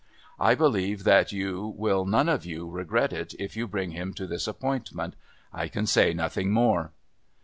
I believe that you will none of you regret it if you bring him to this appointment. I can say nothing more."